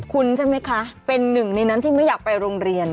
คุณใช่ไหมคะเป็นหนึ่งในนั้นที่ไม่อยากไปโรงเรียน